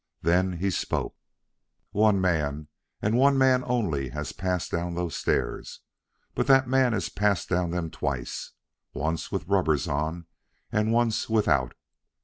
Then he spoke: "One man and one man only has passed down those stairs. But that man has passed down them twice once with rubbers on and once without.